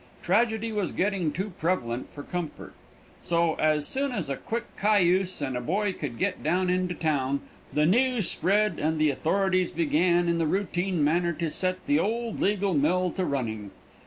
Tragedy was getting too prevalent for comfort. So as soon as a quick cayuse and a boy could get down into town, the news spread and the authorities began in the routine manner to set the old legal mill to running.